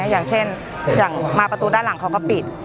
อย่างเช่นอย่างมาประตูด้านหลังเขาก็ปิด